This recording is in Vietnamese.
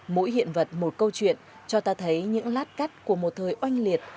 mỗi hiện vật một câu chuyện cho ta thấy những lát cắt của một thời oanh liệt